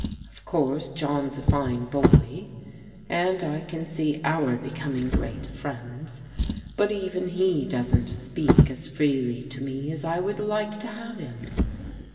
Of course John's a fine boy, and I can see our becoming great friends, but even he doesn't ^peak as freely to me as I would like to have him.